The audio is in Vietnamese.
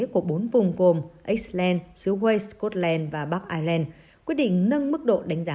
khu vực của bốn vùng gồm iceland suez scotland và bắc ireland quyết định nâng mức độ đánh giá